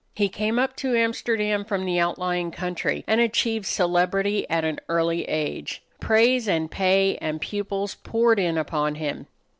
He came up to Amsterdam from the outlying country, and achieved celebrity at an early age. Praise and pay and pupils poured in upon him.